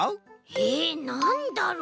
えなんだろう。